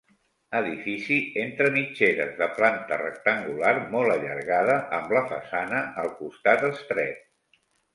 Edifici entre mitgeres, de planta rectangular molt allargada amb la façana al costat estret.